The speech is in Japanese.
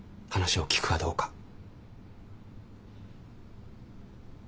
話を聞くかどうか。